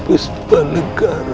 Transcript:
dari istriku tercinta